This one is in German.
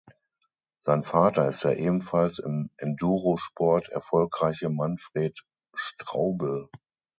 Sein Vater ist der ebenfalls im Endurosport erfolgreiche Manfred Straubel.